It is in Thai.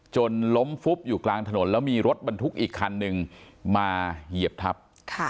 จนล้มฟุบอยู่กลางถนนแล้วมีรถบรรทุกอีกคันหนึ่งมาเหยียบทับ